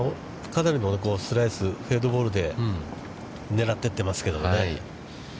かなりのスライス、フェードボールで狙っていってますけどね。